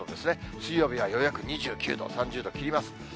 水曜日がようやく２９度、３０度切ります。